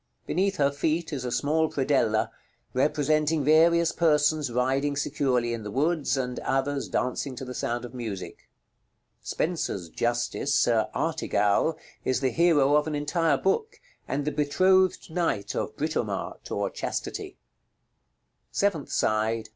Beneath her feet is a small predella, representing various persons riding securely in the woods, and others dancing to the sound of music. Spenser's Justice, Sir Artegall, is the hero of an entire book, and the betrothed knight of Britomart, or chastity. § LXXXIV. _Seventh side.